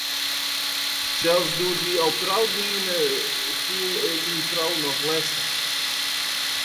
Sels doe't wy al troud wiene, foel er myn frou noch lestich.